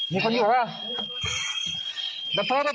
มีคนอยู่หรือเปล่า